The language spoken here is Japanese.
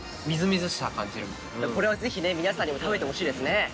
これはぜひね皆さんにも食べてほしいですね。